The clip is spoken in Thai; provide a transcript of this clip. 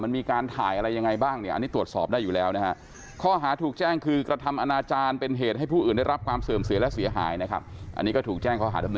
มันมีการถ่ายอะไรยังไงบ้างเนี่ยอันนี้ตรวจสอบได้อยู่แล้วนะฮะ